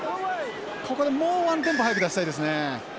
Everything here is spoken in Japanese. ここでもうワンテンポ早く出したいですね。